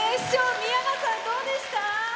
三山さん、どうでした？